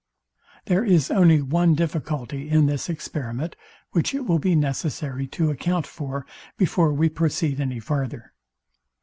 There is only one difficulty in this experiment, which it will be necessary to account for, before we proceed any farther.